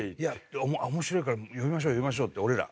面白いから呼びましょう呼びましょうって俺ら。